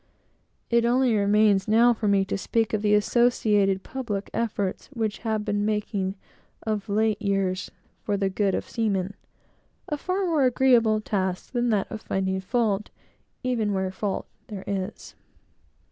It only remains for me now to speak of the associated public efforts which have been making of late years for the good of seamen: a far more agreeable task than that of finding fault, even where fault there is.